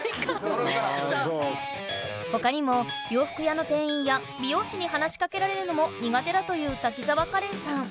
他にも洋服屋の店員や美容師に話しかけられるのも苦手だという滝沢カレンさん